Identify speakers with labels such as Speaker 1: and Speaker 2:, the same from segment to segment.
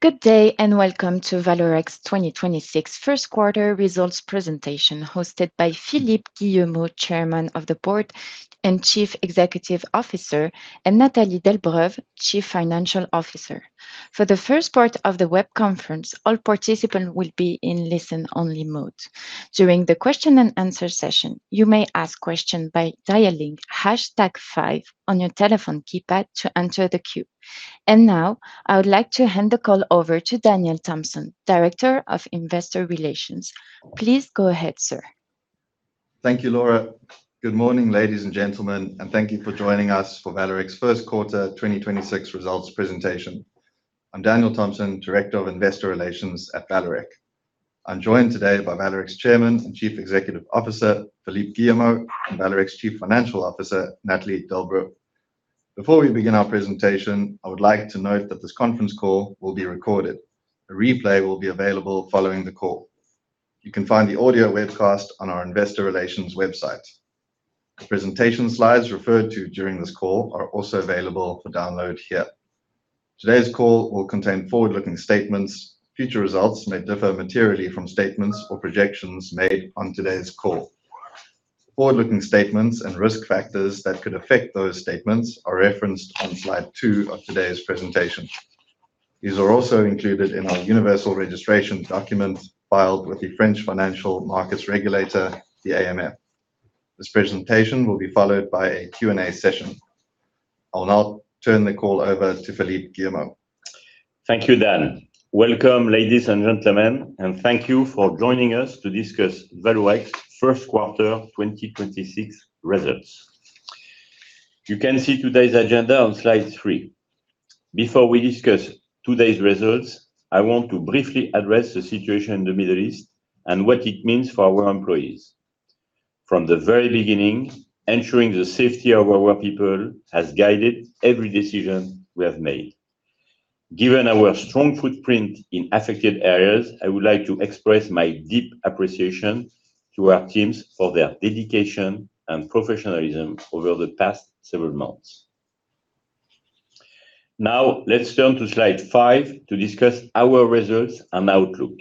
Speaker 1: Good day, welcome to Vallourec's 2026 first quarter results presentation, hosted by Philippe Guillemot, Chairman and Chief Executive Officer, and Nathalie Delbreuve, Chief Financial Officer. For the first part of the web conference, all participant will be in listen-only mode. During the question and answer session, you may ask question by dialing hashtag five on your telephone keypad to enter the queue. Now, I would like to hand the call over to Daniel Thomson, Director of Investor Relations. Please go ahead, sir.
Speaker 2: Thank you, Laura. Good morning, ladies and gentlemen, thank you for joining us for Vallourec's first quarter 2026 results presentation. I'm Daniel Thomson, Director of Investor Relations at Vallourec. I'm joined today by Vallourec's Chairman and Chief Executive Officer, Philippe Guillemot, and Vallourec's Chief Financial Officer, Nathalie Delbreuve. Before we begin our presentation, I would like to note that this conference call will be recorded. A replay will be available following the call. You can find the audio webcast on our investor relations website. The presentation slides referred to during this call are also available for download here. Today's call will contain forward-looking statements. Future results may differ materially from statements or projections made on today's call. Forward-looking statements and risk factors that could affect those statements are referenced on slide 2 of today's presentation. These are also included in our universal registration document filed with the French financial markets regulator, the AMF. This presentation will be followed by a Q&A session. I'll now turn the call over to Philippe Guillemot.
Speaker 3: Thank you, Dan. Welcome, ladies and gentlemen, and thank you for joining us to discuss Vallourec's first quarter 2026 results. You can see today's agenda on slide 3. Before we discuss today's results, I want to briefly address the situation in the Middle East and what it means for our employees. From the very beginning, ensuring the safety of our people has guided every decision we have made. Given our strong footprint in affected areas, I would like to express my deep appreciation to our teams for their dedication and professionalism over the past several months. Now, let's turn to slide 5 to discuss our results and outlook.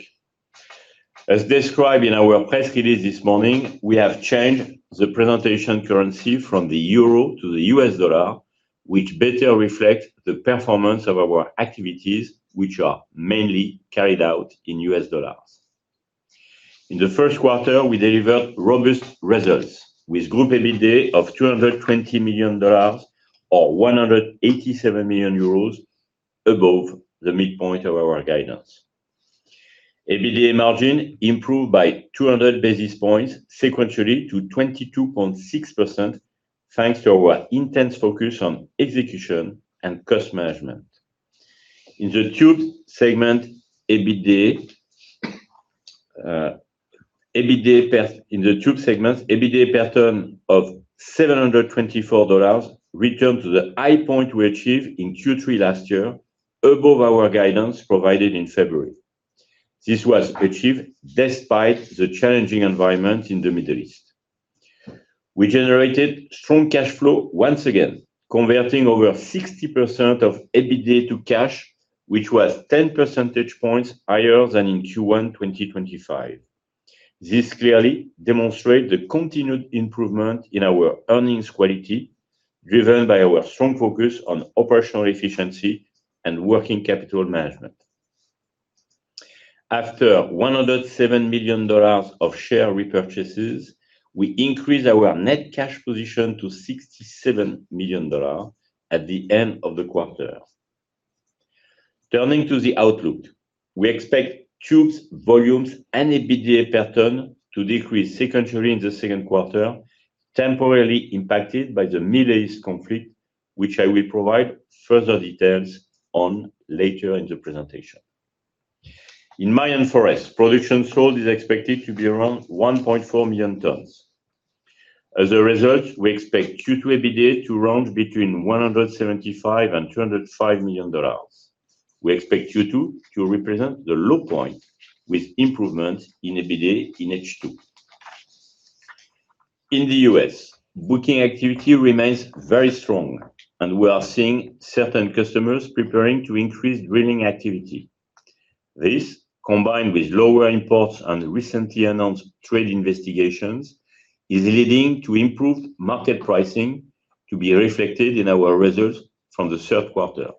Speaker 3: As described in our press release this morning, we have changed the presentation currency from the euro to the US dollar, which better reflects the performance of our activities, which are mainly carried out in US dollars. In the first quarter, we delivered robust results with group EBITDA of $220 million, or 187 million euros above the midpoint of our guidance. EBITDA margin improved by 200 basis points sequentially to 22.6%, thanks to our intense focus on execution and cost management. In the tube segment, EBITDA per ton of $724 returned to the high point we achieved in Q3 last year, above our guidance provided in February. This was achieved despite the challenging environment in the Middle East. We generated strong cash flow once again, converting over 60% of EBITDA to cash, which was 10 percentage points higher than in Q1 2025. This clearly demonstrates the continued improvement in our earnings quality, driven by our strong focus on operational efficiency and working capital management. After $107 million of share repurchases, we increased our net cash position to $67 million at the end of the quarter. Turning to the outlook. We expect tubes, volumes, and EBITDA per ton to decrease sequentially in the second quarter, temporarily impacted by the Middle East conflict, which I will provide further details on later in the presentation. In Mine and Forest, production sold is expected to be around 1.4 million tons. As a result, we expect Q2 EBITDA to range between $175 to 205 million. We expect Q2 to represent the low point with improvements in EBITDA in H2. In the U.S., booking activity remains very strong, and we are seeing certain customers preparing to increase drilling activity. This, combined with lower imports and recently announced trade investigations, is leading to improved market pricing to be reflected in our results from the third quarter.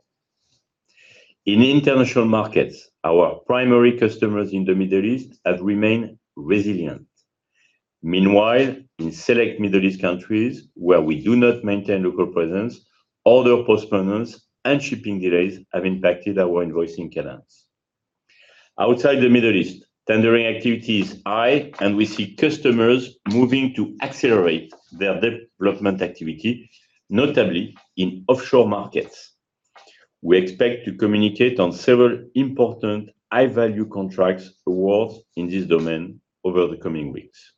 Speaker 3: In international markets, our primary customers in the Middle East have remained resilient. Meanwhile, in select Middle East countries where we do not maintain local presence, order postponements and shipping delays have impacted our invoicing cadence. Outside the Middle East, tendering activity is high, and we see customers moving to accelerate their development activity, notably in offshore markets. We expect to communicate on several important high-value contracts awards in this domain over the coming weeks.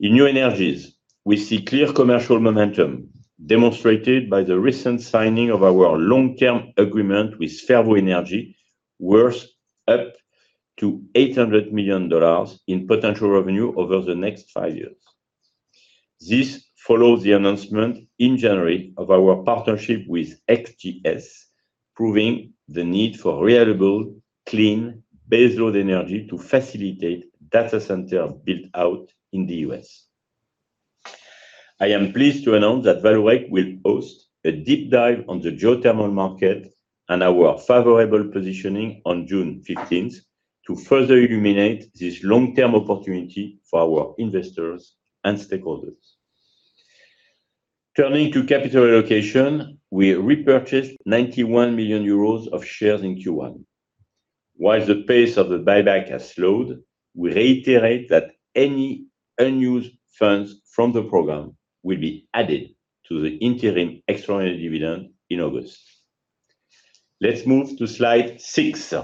Speaker 3: In new energies, we see clear commercial momentum demonstrated by the recent signing of our long-term agreement with Fervo Energy worth up to $800 million in potential revenue over the next five years. This follows the announcement in January of our partnership with XGS, proving the need for reliable, clean baseload energy to facilitate data center build-out in the U.S. I am pleased to announce that Vallourec will host a deep dive on the geothermal market and our favorable positioning on June 15th to further illuminate this long-term opportunity for our investors and stakeholders. Turning to capital allocation, we repurchased 91 million euros of shares in Q1. While the pace of the buyback has slowed, we reiterate that any unused funds from the program will be added to the interim extraordinary dividend in August. Let's move to slide 6.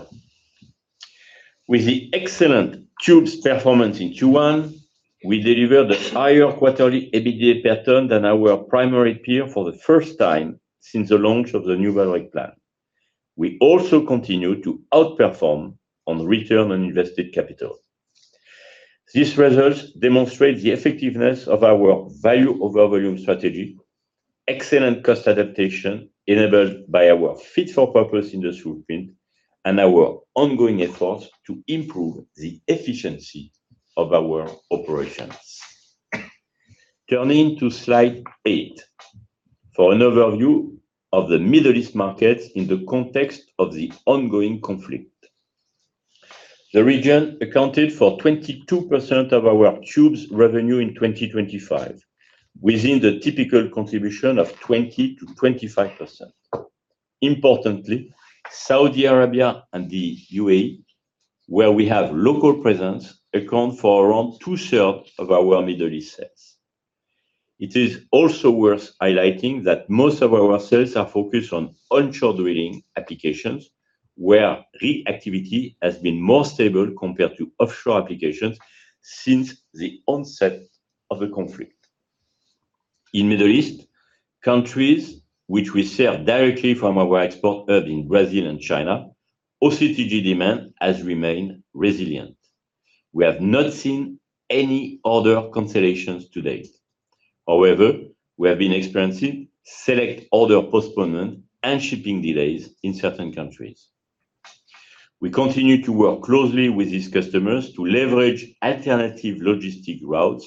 Speaker 3: With the excellent tubes performance in Q1, we delivered a higher quarterly EBITDA pattern than our primary peer for the first time since the launch of the New Vallourec plan. We also continue to outperform on return on invested capital. These results demonstrate the effectiveness of our value over volume strategy, excellent cost adaptation enabled by our fit for purpose industry footprint, and our ongoing efforts to improve the efficiency of our operations. Turning to slide eight for an overview of the Middle East market in the context of the ongoing conflict. The region accounted for 22% of our tubes revenue in 2025, within the typical contribution of 20% to 25%. Importantly, Saudi Arabia and the UAE, where we have local presence, account for around two-thirds of our Middle East sales. It is also worth highlighting that most of our sales are focused on onshore drilling applications, where rig activity has been more stable compared to offshore applications since the onset of the conflict. In Middle East, countries which we serve directly from our export hub in Brazil and China, OCTG demand has remained resilient. We have not seen any order cancellations to date. We have been experiencing select order postponement and shipping delays in certain countries. We continue to work closely with these customers to leverage alternative logistic routes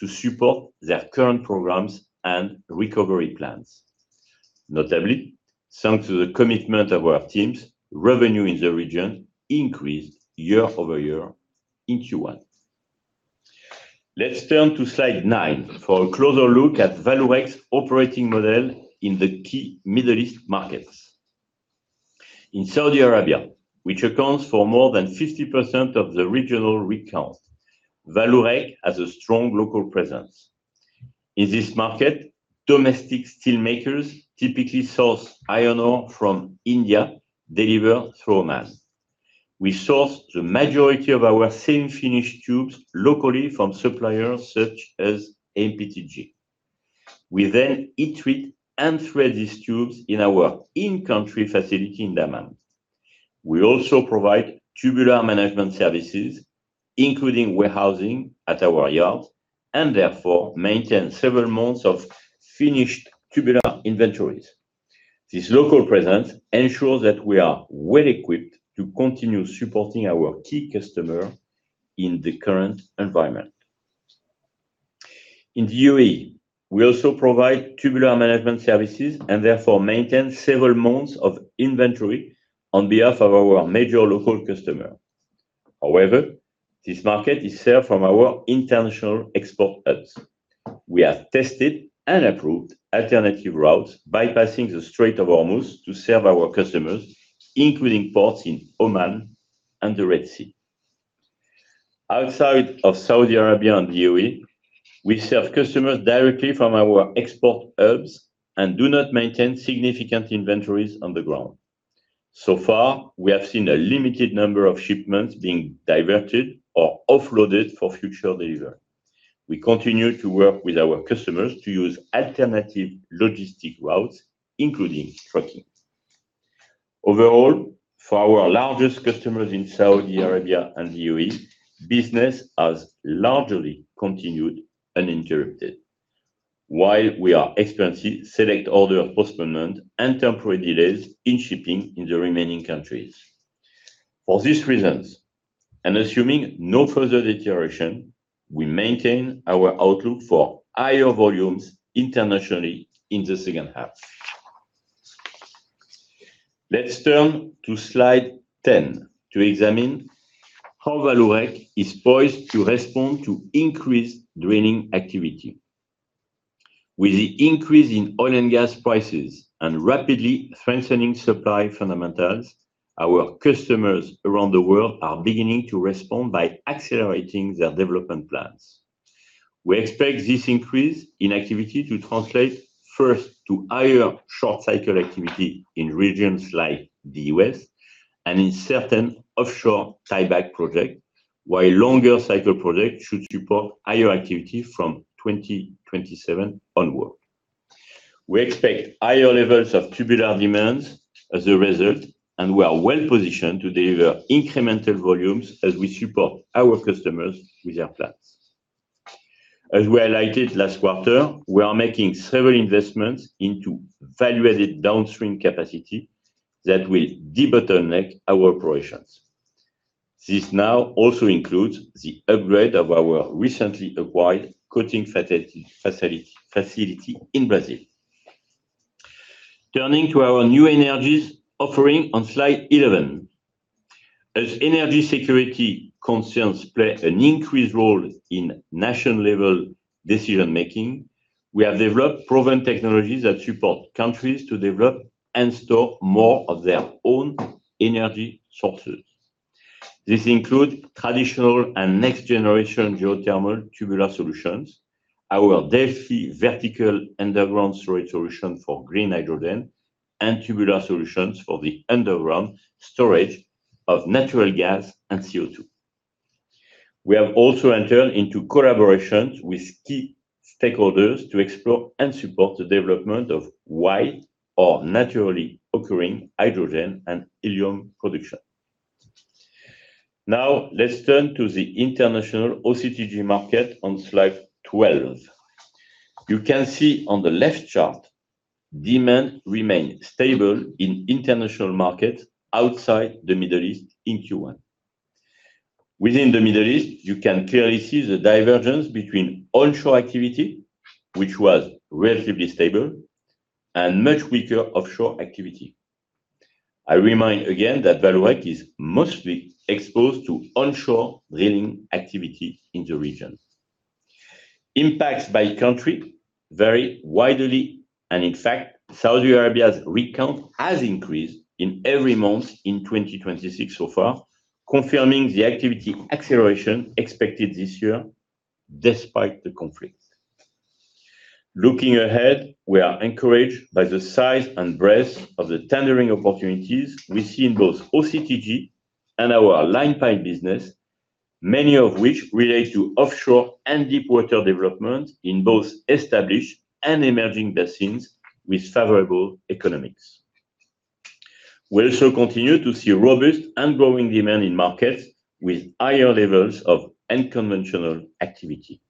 Speaker 3: to support their current programs and recovery plans. Thanks to the commitment of our teams, revenue in the region increased year-over-year in Q1. Let's turn to slide 9 for a closer look at Vallourec's operating model in the key Middle East markets. In Saudi Arabia, which accounts for more than 50% of the regional rig count, Vallourec has a strong local presence. In this market, domestic steel makers typically source iron ore from India, delivered through AMAS. We source the majority of our seam finished tubes locally from suppliers such as NPTG. We heat treat and thread these tubes in our in-country facility in Dammam. We also provide tubular management services, including warehousing at our yard, and therefore maintain several months of finished tubular inventories. This local presence ensures that we are well equipped to continue supporting our key customer in the current environment. In the U.A.E., we also provide tubular management services and therefore maintain several months of inventory on behalf of our major local customer. This market is served from our international export hubs. We have tested and approved alternative routes bypassing the Strait of Hormuz to serve our customers, including ports in Oman and the Red Sea. Outside of Saudi Arabia and the UAE, we serve customers directly from our export hubs and do not maintain significant inventories on the ground. So far, we have seen a limited number of shipments being diverted or offloaded for future delivery. We continue to work with our customers to use alternative logistic routes, including trucking. Overall, for our largest customers in Saudi Arabia and the UAE, business has largely continued uninterrupted. While we are experiencing select order postponement and temporary delays in shipping in the remaining countries. For these reasons, and assuming no further deterioration, we maintain our outlook for higher volumes internationally in the second half. Let's turn to slide 10 to examine how Vallourec is poised to respond to increased drilling activity. With the increase in oil and gas prices and rapidly strengthening supply fundamentals, our customers around the world are beginning to respond by accelerating their development plans. We expect this increase in activity to translate first to higher short cycle activity in regions like the U.S. and in certain offshore tieback projects, while longer cycle projects should support higher activity from 2027 onwards. We expect higher levels of tubular demand as a result, we are well positioned to deliver incremental volumes as we support our customers with their plans. As we highlighted last quarter, we are making several investments into value-added downstream capacity that will debottleneck our operations. This now also includes the upgrade of our recently acquired coating facility in Brazil. Turning to our new energies offering on slide 11. As energy security concerns play an increased role in national level decision-making, we have developed proven technologies that support countries to develop and store more of their own energy sources. This include traditional and next generation geothermal tubular solutions, our Delphy vertical underground storage solution for green hydrogen, and tubular solutions for the underground storage of natural gas and CO2. We have also entered into collaborations with key stakeholders to explore and support the development of white or naturally occurring hydrogen and helium production. Let's turn to the international OCTG market on slide 12. You can see on the left chart, demand remained stable in international markets outside the Middle East in Q1. Within the Middle East, you can clearly see the divergence between onshore activity, which was relatively stable, and much weaker offshore activity. I remind again that Vallourec is mostly exposed to onshore drilling activity in the region. Impacts by country vary widely. In fact, Saudi Arabia's rig count has increased in every month in 2026 so far, confirming the activity acceleration expected this year despite the conflict. Looking ahead, we are encouraged by the size and breadth of the tendering opportunities we see in both OCTG and our line pipe business, many of which relate to offshore and deepwater development in both established and emerging basins with favorable economics. We also continue to see robust and growing demand in markets with higher levels of unconventional activity.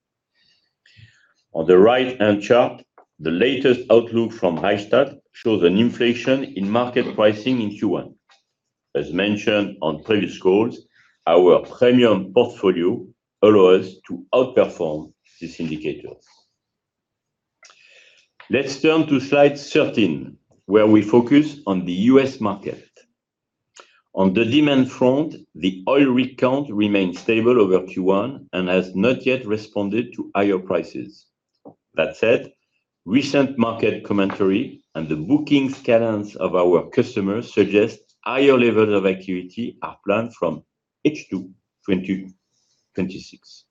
Speaker 3: On the right-hand chart, the latest outlook from Rystad shows an inflation in market pricing in Q1. As mentioned on previous calls, our premium portfolio allow us to outperform these indicators. Let's turn to slide 13, where we focus on the U.S. market. On the demand front, the oil rig count remained stable over Q1 and has not yet responded to higher prices. That said, recent market commentary and the bookings cadence of our customers suggest higher levels of activity are planned from H2 2026.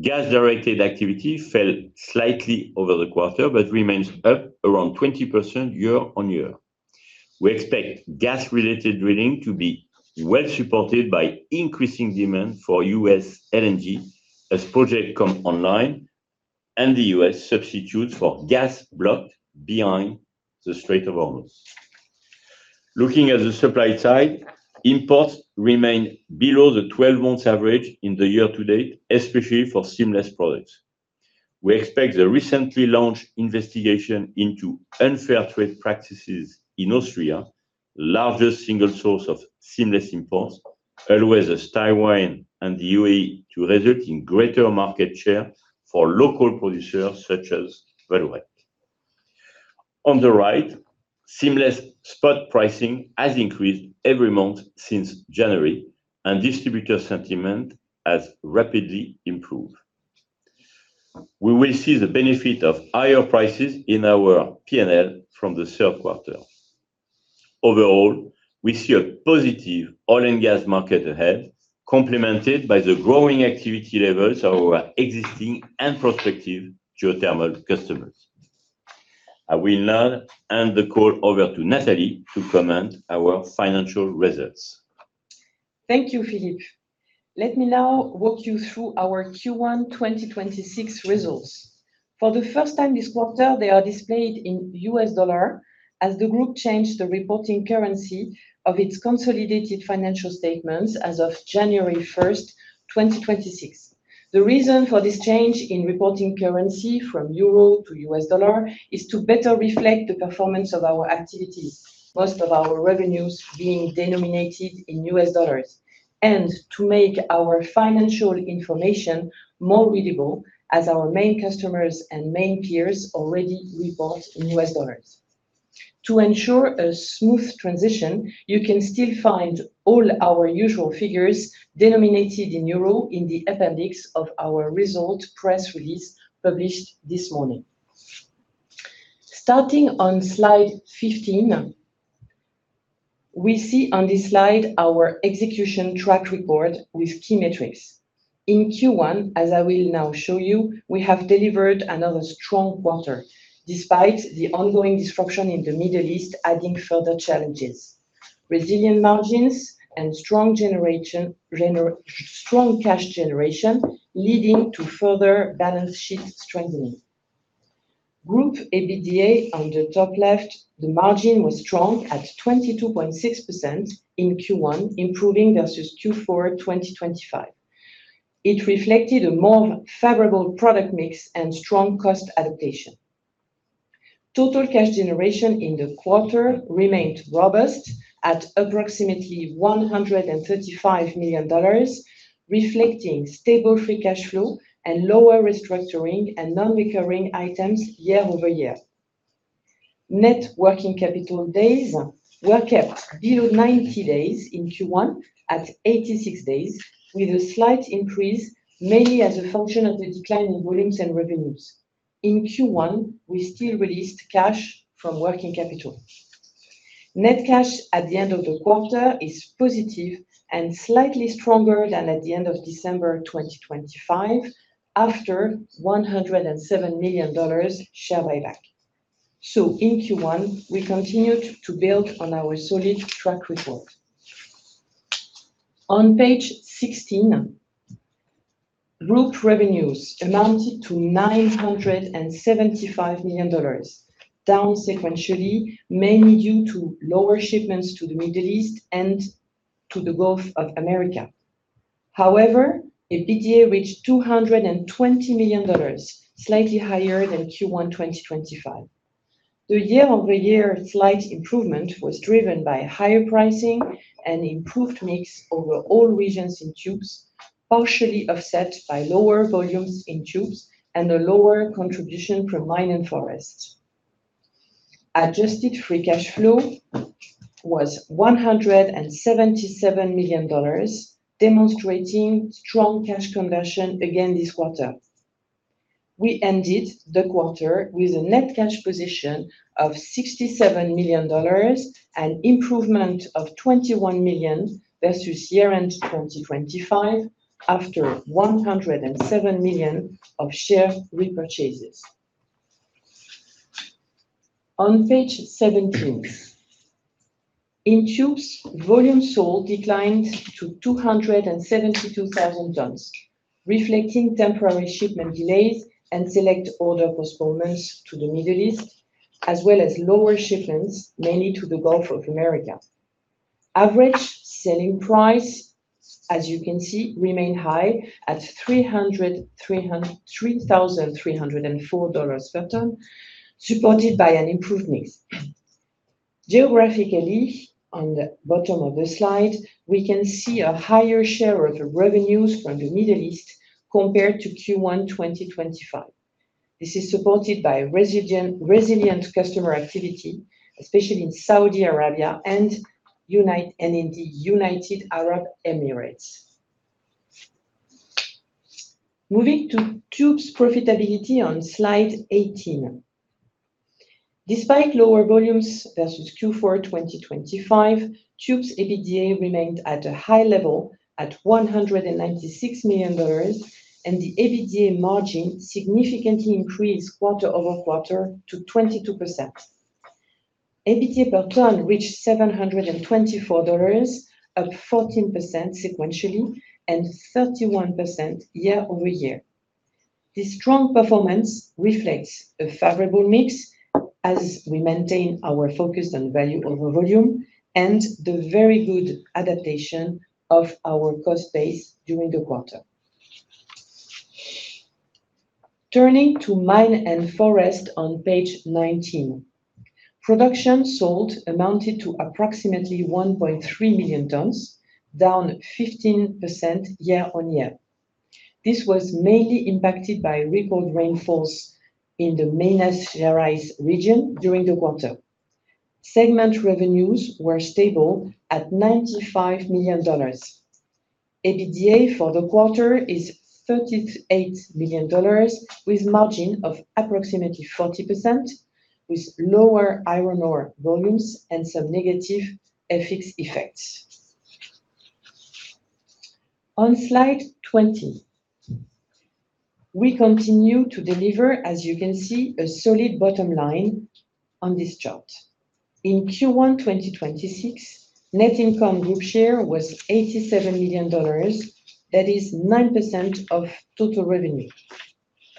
Speaker 3: Gas-directed activity fell slightly over the quarter, but remains up around 20% year-on-year. We expect gas-related drilling to be well supported by increasing demand for U.S. LNG as projects come online and the U.S. substitutes for gas blocked behind the Strait of Hormuz. Looking at the supply side, imports remain below the 12-month average in the year-to-date, especially for seamless products. We expect the recently launched investigation into unfair trade practices in Austria, largest single source of seamless imports, as well as Taiwan and the UAE to result in greater market share for local producers such as Vallourec. On the right, seamless spot pricing has increased every month since January. Distributor sentiment has rapidly improved. We will see the benefit of higher prices in our P&L from the third quarter. Overall, we see a positive oil and gas market ahead, complemented by the growing activity levels of our existing and prospective geothermal customers. I will now hand the call over to Nathalie to comment our financial results.
Speaker 4: Thank you, Philippe. Let me now walk you through our Q1 2026 results. For the first time this quarter, they are displayed in US dollar as the group changed the reporting currency of its consolidated financial statements as of January 1, 2026. The reason for this change in reporting currency from euro to US dollar is to better reflect the performance of our activities, most of our revenues being denominated in US dollars, and to make our financial information more readable as our main customers and main peers already report in US dollars. To ensure a smooth transition, you can still find all our usual figures denominated in euro in the appendix of our results press release published this morning. Starting on slide 15, we see on this slide our execution track record with key metrics. In Q1, as I will now show you, we have delivered another strong quarter, despite the ongoing disruption in the Middle East adding further challenges. Resilient margins and strong cash generation, leading to further balance sheet strengthening. Group EBITDA on the top left, the margin was strong at 22.6% in Q1, improving versus Q4 2025. It reflected a more favorable product mix and strong cost adaptation. Total cash generation in the quarter remained robust at approximately $135 million, reflecting stable free cash flow and lower restructuring and non-recurring items year-over-year. Net working capital days were kept below 90 days in Q1 at 86 days, with a slight increase mainly as a function of the decline in volumes and revenues. In Q1, we still released cash from working capital. Net cash at the end of the quarter is positive and slightly stronger than at the end of December 2025 after $107 million share buyback. In Q1, we continued to build on our solid track record. On page 16, group revenues amounted to $975 million, down sequentially, mainly due to lower shipments to the Middle East and to the Gulf of America. However, EBITDA reached $220 million, slightly higher than Q1 2025. The year-over-year slight improvement was driven by higher pricing and improved mix over all regions in Tubes, partially offset by lower volumes in Tubes and a lower contribution from Mine and Forest. Adjusted free cash flow was $177 million, demonstrating strong cash conversion again this quarter. We ended the quarter with a net cash position of $67 million, an improvement of $21 million versus year-end 2025 after $107 million of share repurchases. On page 17. In Tubes, volume sold declined to 272,000 tons, reflecting temporary shipment delays and select order postponements to the Middle East, as well as lower shipments, mainly to the Gulf of America. Average selling price, as you can see, remained high at $3,304 per ton, supported by an improved mix. Geographically, on the bottom of the slide, we can see a higher share of the revenues from the Middle East compared to Q1 2025. This is supported by resilient customer activity, especially in Saudi Arabia and in the United Arab Emirates. Moving to Tubes profitability on slide 18. Despite lower volumes versus Q4 2025, Tubes' EBITDA remained at a high level at $196 million, and the EBITDA margin significantly increased quarter-over-quarter to 22%. EBITDA per ton reached $724, up 14% sequentially and 31% year-over-year. This strong performance reflects a favorable mix as we maintain our focus on value over volume and the very good adaptation of our cost base during the quarter. Turning to Mine and Forest on page 19. Production sold amounted to approximately 1.3 million tons, down 15% year-on-year. This was mainly impacted by record rainfalls in the Minas Gerais region during the quarter. Segment revenues were stable at $95 million. EBITDA for the quarter is $38 million with margin of approximately 40% with lower iron ore volumes and some negative FX effects. On slide 20. We continue to deliver, as you can see, a solid bottom line on this chart. In Q1 2026, net income group share was $87 million. That is 9% of total revenue.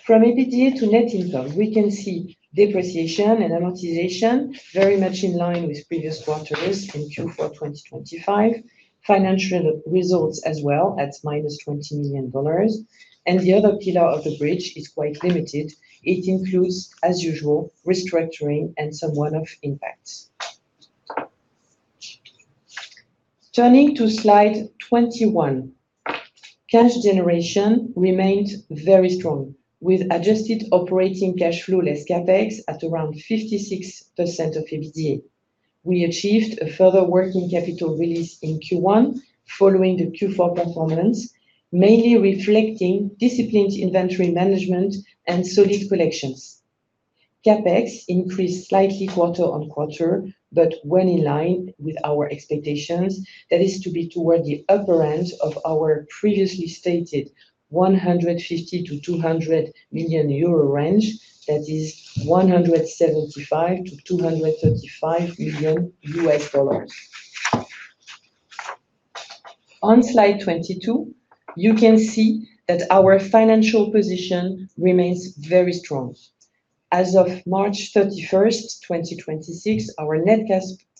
Speaker 4: From EBITDA to net income, we can see depreciation and amortization very much in line with previous quarters in Q4 2025. Financial results as well at -$20 million. The other pillar of the bridge is quite limited. It includes, as usual, restructuring and some one-off impacts. Turning to slide 21. Cash generation remained very strong, with adjusted operating cash flow less CapEx at around 56% of EBITDA. We achieved a further working capital release in Q1 following the Q4 performance, mainly reflecting disciplined inventory management and solid collections. CapEx increased slightly quarter on quarter. Went in line with our expectations. That is to be toward the upper end of our previously stated 150 to 200 million range. That is $175 to 235 million. On slide 22, you can see that our financial position remains very strong. As of March 31st, 2026, our net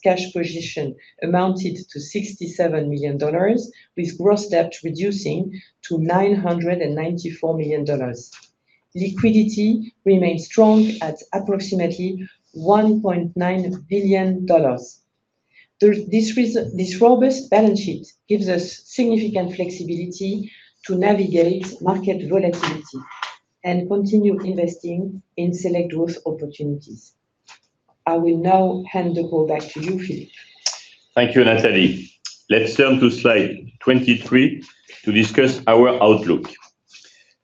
Speaker 4: cash position amounted to $67 million, with gross debt reducing to $994 million. Liquidity remains strong at approximately $1.9 billion. This robust balance sheet gives us significant flexibility to navigate market volatility and continue investing in select growth opportunities. I will now hand the call back to you, Philippe.
Speaker 3: Thank you, Nathalie. Let's turn to slide 23 to discuss our outlook.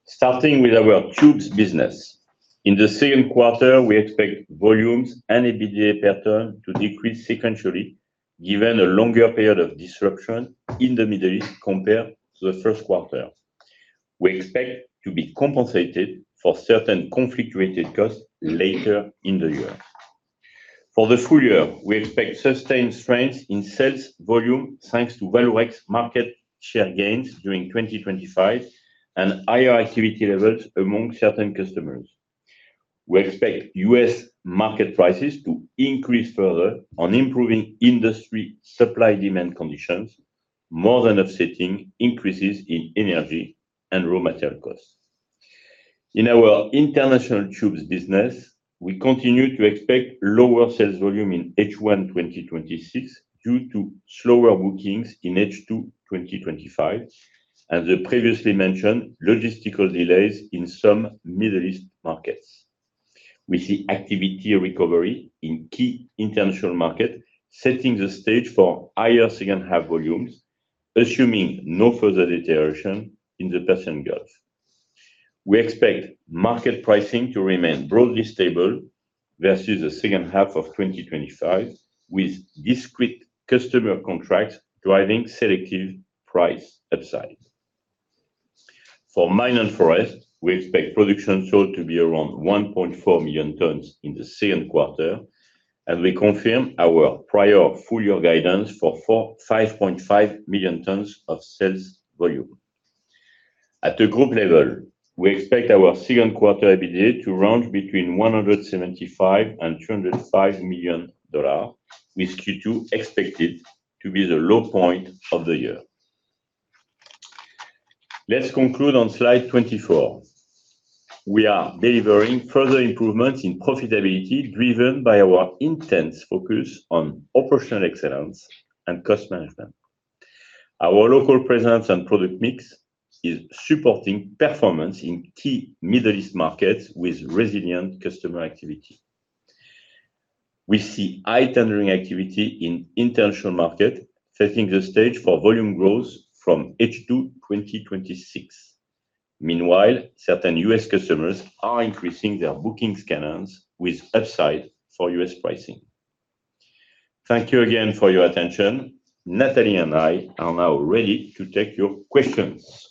Speaker 3: Starting with our tubes business. In the second quarter, we expect volumes and EBITDA per ton to decrease sequentially given a longer period of disruption in the Middle East compared to the first quarter. We expect to be compensated for certain conflict-related costs later in the year. For the full year, we expect sustained strength in sales volume, thanks to Vallourec's market share gains during 2025 and higher activity levels among certain customers. We expect U.S. market prices to increase further on improving industry supply-demand conditions, more than offsetting increases in energy and raw material costs. In our international tubes business, we continue to expect lower sales volume in H1 2026 due to slower bookings in H2 2025 and the previously mentioned logistical delays in some Middle East markets. We see activity recovery in key international market, setting the stage for higher second half volumes, assuming no further deterioration in the Persian Gulf. We expect market pricing to remain broadly stable versus the second half of 2025, with discrete customer contracts driving selective price upside. For Mine and Forest, we expect production sold to be around 1.4 million tons in the second quarter, and we confirm our prior full year guidance for 4.5 million tons of sales volume. At the group level, we expect our second quarter EBITDA to range between $175 million and $205 million, with Q2 expected to be the low point of the year. Let's conclude on slide 24. We are delivering further improvements in profitability driven by our intense focus on operational excellence and cost management. Our local presence and product mix is supporting performance in key Middle East markets with resilient customer activity. We see high tendering activity in international market, setting the stage for volume growth from H2 2026. Meanwhile, certain U.S. customers are increasing their booking standards with upside for U.S. pricing. Thank you again for your attention. Nathalie and I are now ready to take your questions.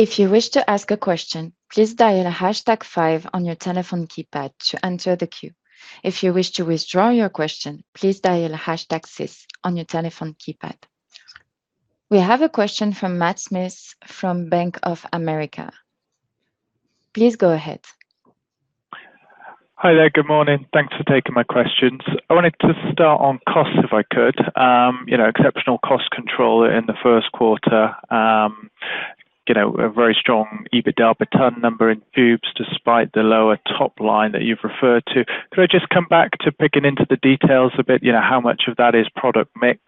Speaker 1: If you wish to ask a question, please dial hashtag five on your telephone keypad to enter the queue. If you wish to withdraw your question, please hashtag six on your telephone keypad. We have a question from Matt Smith from Bank of America. Please go ahead.
Speaker 5: Hi there. Good morning. Thanks for taking my questions. I wanted to start on costs, if I could. You know, exceptional cost control in the first quarter. You know, a very strong EBITDA per ton number in tubes despite the lower top line that you've referred to. Could I just come back to picking into the details a bit, you know, how much of that is product mix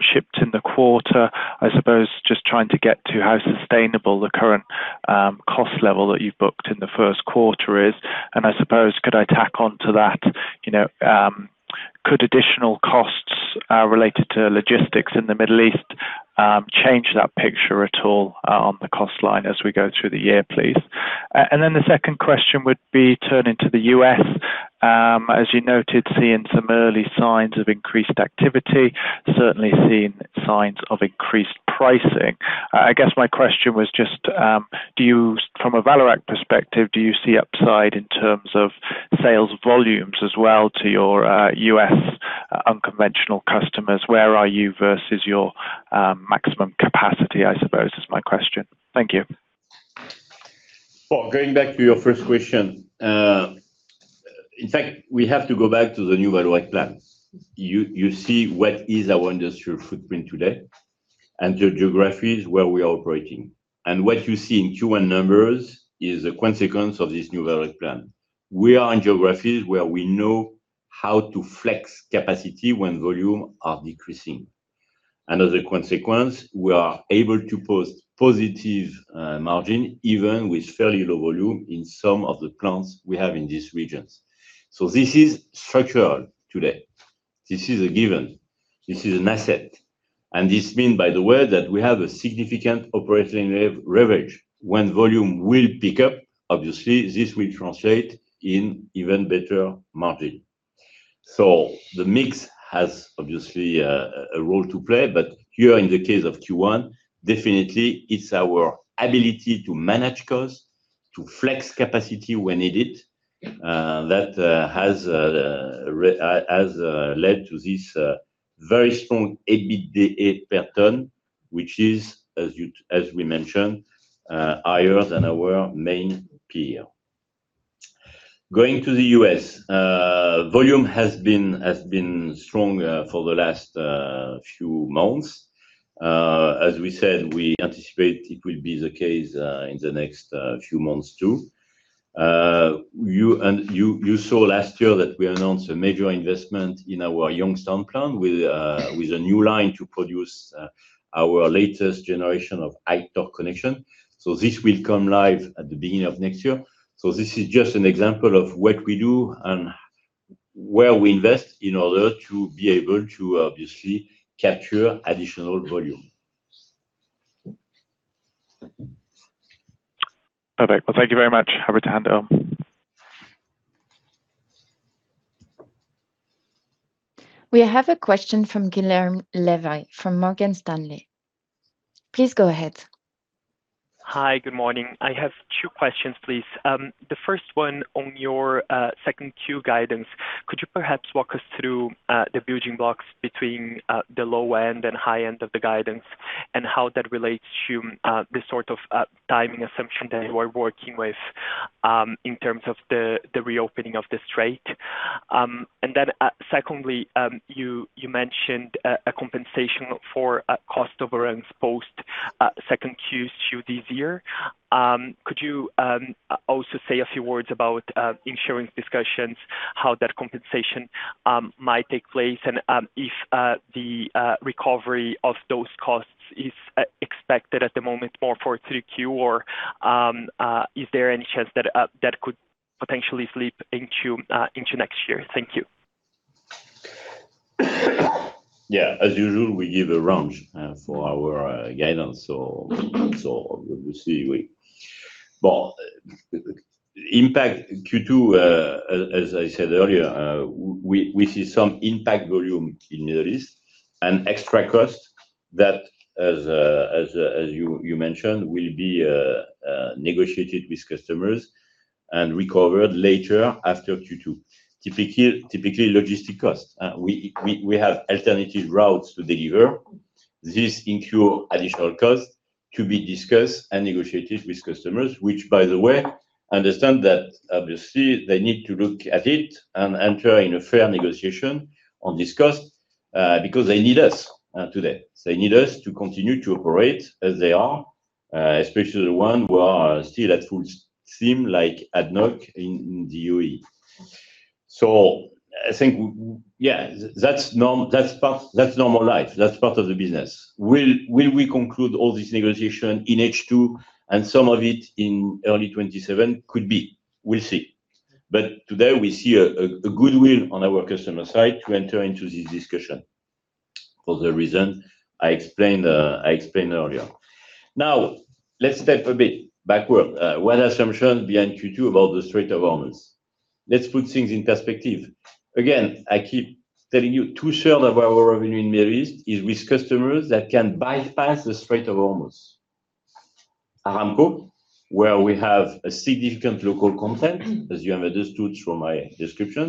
Speaker 5: shipped in the quarter? I suppose just trying to get to how sustainable the current cost level that you've booked in the first quarter is. I suppose could I tack on to that, you know, could additional costs related to logistics in the Middle East change that picture at all on the cost line as we go through the year, please? The second question would be turning to the U.S. As you noted, seeing some early signs of increased activity, certainly seeing signs of increased pricing. I guess my question was just, do you From a Vallourec perspective, do you see upside in terms of sales volumes as well to your U.S. unconventional customers? Where are you versus your maximum capacity, I suppose, is my question. Thank you.
Speaker 3: Well, going back to your first question, in fact, we have to go back to the New Vallourec plan. You see what is our industrial footprint today and the geographies where we are operating. What you see in Q1 numbers is a consequence of this New Vallourec plan. We are in geographies where we know how to flex capacity when volume are decreasing. As a consequence, we are able to post positive margin even with fairly low volume in some of the plants we have in these regions. This is structural today. This is a given. This is an asset. This mean, by the way, that we have a significant operating leverage. When volume will pick up, obviously, this will translate in even better margin. The mix has obviously a role to play, but here in the case of Q1, definitely it's our ability to manage costs. To flex capacity when needed, that has led to this very strong EBITDA per ton, which is, as you, as we mentioned, higher than our main peer. Going to the U.S., volume has been strong for the last few months. As we said, we anticipate it will be the case in the next few months too. You saw last year that we announced a major investment in our Youngstown plant with a new line to produce our latest generation of OCTG connection. This will come live at the beginning of next year. This is just an example of what we do and where we invest in order to be able to obviously capture additional volume.
Speaker 5: Perfect. Well, thank you very much. Over to you, Laura.
Speaker 1: We have a question from Guilherme Levy from Morgan Stanley. Please go ahead.
Speaker 6: Hi. Good morning. I have two questions, please. The first one on your 2Q guidance. Could you perhaps walk us through the building blocks between the low end and high end of the guidance and how that relates to the sort of timing assumption that you are working with in terms of the reopening of the Strait? And then, secondly, you mentioned a compensation for cost overruns post 2Q this year. Could you also say a few words about insurance discussions, how that compensation might take place, and if the recovery of those costs is expected at the moment more for 3Q or is there any chance that that could potentially slip into next year? Thank you.
Speaker 3: As usual, we give a range for our guidance. Obviously we impact Q2, as I said earlier, we see some impact volume in the Middle East and extra cost that as you mentioned, will be negotiated with customers and recovered later after Q2. Typically logistic costs. We have alternative routes to deliver. This incur additional cost to be discussed and negotiated with customers, which by the way, understand that obviously they need to look at it and enter in a fair negotiation on this cost, because they need us today. They need us to continue to operate as they are, especially the one who are still at full stream, like ADNOC in the UAE. I think, yeah, that's normal life. That's part of the business. Will we conclude all this negotiation in H2 and some of it in early 2027? Could be. We'll see. Today we see a goodwill on our customer side to enter into this discussion for the reason I explained earlier. Let's step a bit backward. One assumption behind Q2 about the Strait of Hormuz. Let's put things in perspective. Again, I keep telling you, 2/3 of our revenue in Middle East is with customers that can bypass the Strait of Hormuz. Aramco, where we have a significant local content, as you have understood from my description,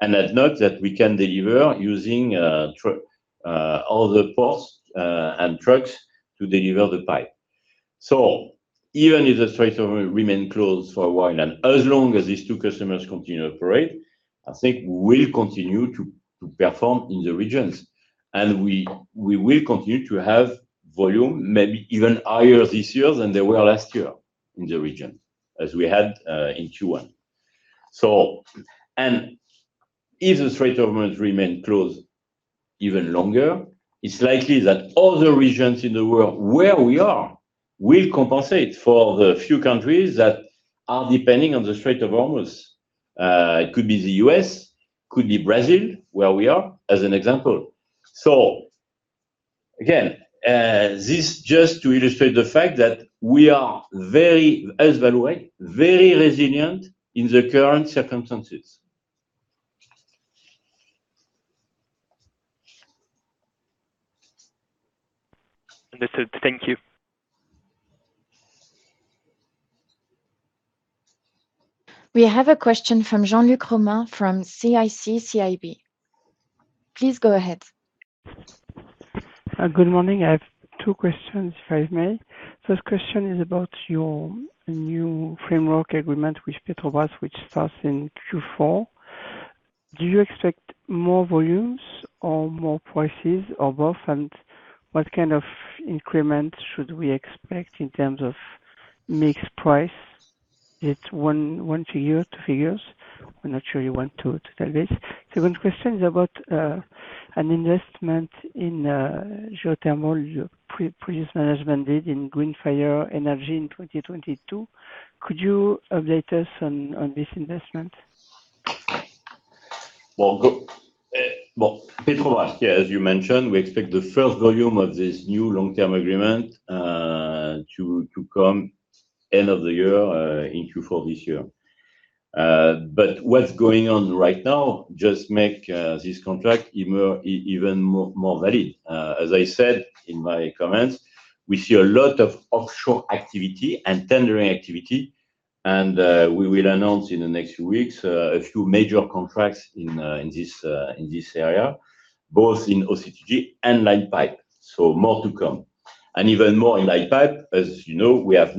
Speaker 3: and ADNOC that we can deliver using other ports and trucks to deliver the pipe. Even if the Strait of Hormuz remain closed for a while, and as long as these two customers continue to operate, I think we'll continue to perform in the regions, and we will continue to have volume maybe even higher this year than they were last year in the region, as we had in Q1. If the Strait of Hormuz remain closed even longer, it's likely that other regions in the world where we are will compensate for the few countries that are depending on the Strait of Hormuz. It could be the U.S., could be Brazil, where we are, as an example. Again, this just to illustrate the fact that we are very, as Vallourec, very resilient in the current circumstances.
Speaker 6: Understood. Thank you.
Speaker 1: We have a question from Jean-Luc Romain from CIC CIB. Please go ahead.
Speaker 7: Good morning. I have two questions, if I may. First question is about your new framework agreement with Petrobras, which starts in Q4. Do you expect more volumes or more prices or both? What kind of increment should we expect in terms of mixed price? It's one to two figures. I'm not sure you want to tell this. Second question is about an investment in geothermal your previous management did in GreenFire Energy in 2022. Could you update us on this investment?
Speaker 3: Petrobras, as you mentioned, we expect the 1st volume of this new long-term agreement to come end of the year in Q4 this year. What's going on right now just make this contract even more valid. As I said in my comments, we see a lot of offshore activity and tendering activity, we will announce in the next few weeks a few major contracts in this area, both in OCTG and line pipe. More to come. Even more in line pipe, as you know, we have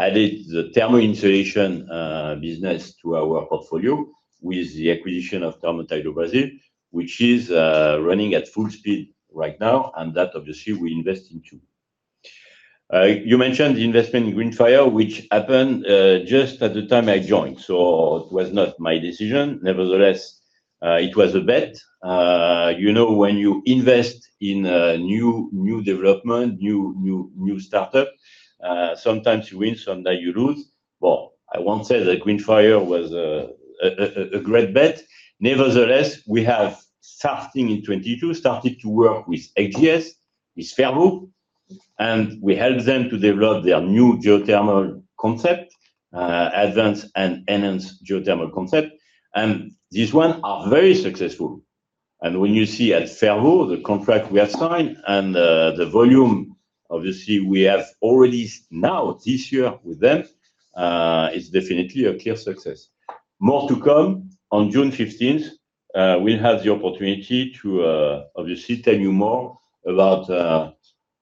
Speaker 3: now added the thermal insulation business to our portfolio with the acquisition of Thermotite do Brasil, which is running at full speed right now, and that obviously we invest into. You mentioned the investment in GreenFire, which happened just at the time I joined, so it was not my decision. Nevertheless, it was a bet. You know, when you invest in a new development, new startup, sometimes you win, sometimes you lose. Well, I won't say that GreenFire was a great bet. Nevertheless, we have starting in 2022, started to work with AGS, with Fervo Energy, and we helped them to develop their new geothermal concept, advanced and enhanced geothermal concept. These one are very successful. When you see at Fervo Energy the contract we have signed and the volume obviously we have already now this year with them, is definitely a clear success. More to come on June 15th. We have the opportunity to obviously tell you more about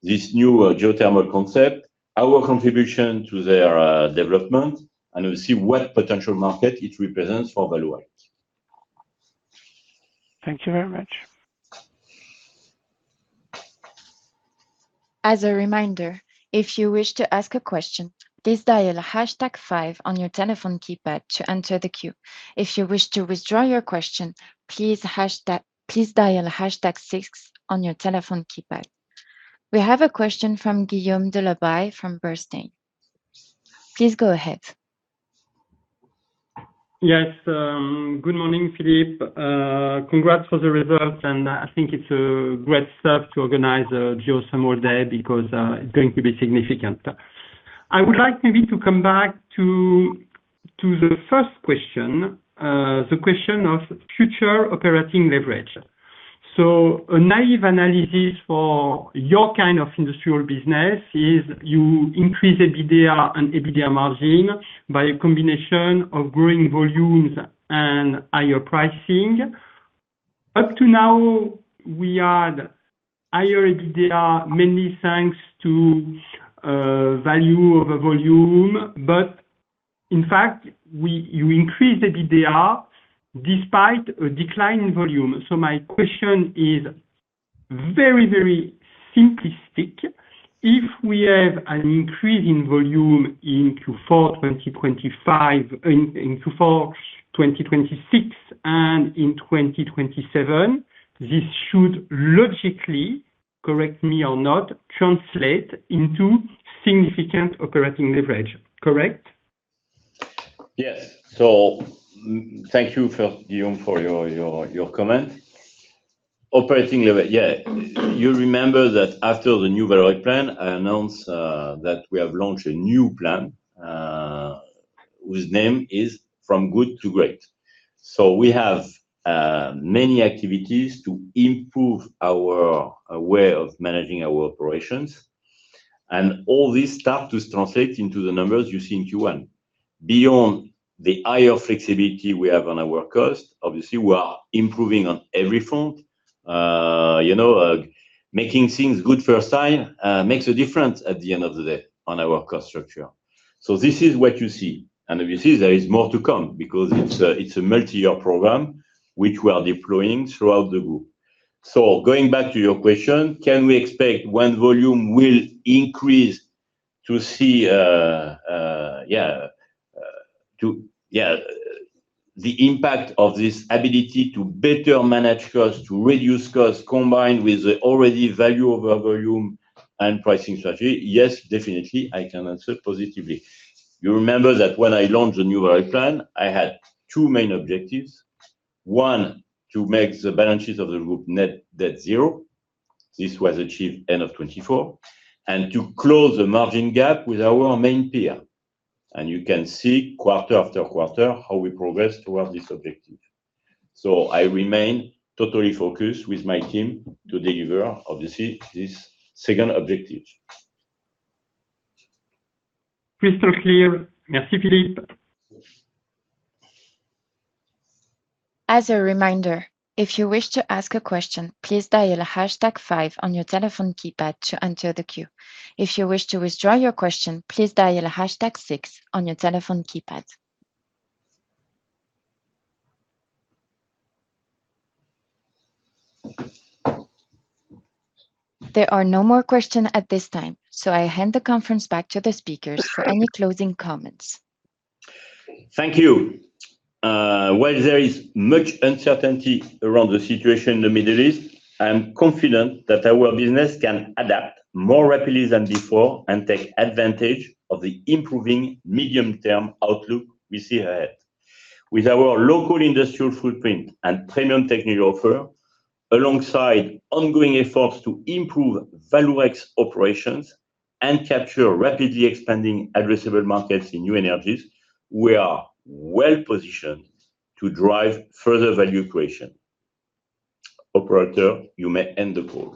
Speaker 3: this new geothermal concept, our contribution to their development, and we'll see what potential market it represents for Vallourec.
Speaker 7: Thank you very much.
Speaker 1: As a reminder if you wish to ask a question, please dial hashtag five on your telephone keypad to enter the queue. If you wish to withdraw your question please dial hashtag six on your telephone keypad. We have a question from Guillaume Delaby from Bernstein. Please go ahead.
Speaker 8: Yes. Good morning, Philippe. Congrats for the results, and I think it's a great step to organize a geothermal day because it's going to be significant. I would like maybe to come back to the first question, the question of future operating leverage. A naive analysis for your kind of industrial business is you increase EBITDA and EBITDA margin by a combination of growing volumes and higher pricing. Up to now, we are higher EBITDA mainly thanks to value over volume, but in fact, you increase EBITDA despite a decline in volume. My question is very, very simplistic. If we have an increase in volume in Q4 2025, in Q4 2026 and in 2027, this should logically, correct me or not, translate into significant operating leverage. Correct?
Speaker 3: Yes. Thank you for, Guillaume, for your comment. Operating lever. Yeah. You remember that after the New Vallourec plan, I announced that we have launched a new plan whose name is From Good to Great. We have many activities to improve our way of managing our operations. All this start to translate into the numbers you see in Q1. Beyond the higher flexibility we have on our cost, obviously we are improving on every front. You know, making things good first time makes a difference at the end of the day on our cost structure. This is what you see. Obviously, there is more to come because it's a multi-year program which we are deploying throughout the group. Going back to your question, can we expect when volume will increase to see the impact of this ability to better manage costs, to reduce costs, combined with the already value over volume and pricing strategy. Yes, definitely. I can answer positively. You remember that when I launched the New Vallourec plan, I had two main objectives. One, to make the balance sheet of the group net debt zero. This was achieved end of 2024. To close the margin gap with our main peer. You can see quarter after quarter how we progress towards this objective. I remain totally focused with my team to deliver obviously this second objective.
Speaker 8: Crystal clear. Mr Philippe.
Speaker 1: As a reminder, if you wish to ask a question, please dial hashtag 5 on your telephone keypad to enter the queue. If you wish to withdraw your question, please dial hashtag 6 on your telephone keypad. There are no more question at this time, so I hand the conference back to the speakers for any closing comments.
Speaker 3: Thank you. While there is much uncertainty around the situation in the Middle East, I am confident that our business can adapt more rapidly than before and take advantage of the improving medium-term outlook we see ahead. With our local industrial footprint and premium technical offer, alongside ongoing efforts to improve Vallourec operations and capture rapidly expanding addressable markets in new energies, we are well-positioned to drive further value creation. Operator, you may end the call.